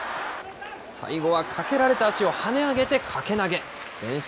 最後はかけられた足をはね上げて掛け投げ。